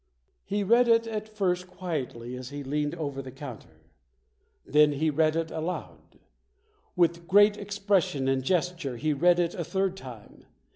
He read it at first quietly as he leaned over the counter. Then he read it aloud. With great ex pression and gesture he read it a third time.